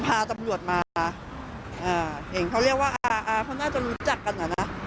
พาตำรวจมาเห็นเขาเรียกว่าอาเขาน่าจะรู้จักกันอะนะ